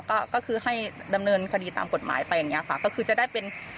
ก็คือให้ดำเนินคดีตามกฎหมายไปอย่างเงี้ยค่ะก็คือจะได้เป็น